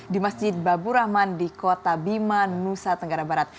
di masjid babur rahman di kota bima nusa tenggara barat